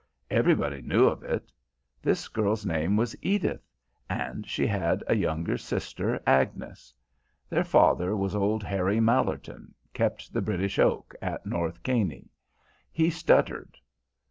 Everybody knew of it. This girl's name was Edith and she had a younger sister Agnes. Their father was old Harry Mallerton, kept The British Oak at North Quainy; he stuttered.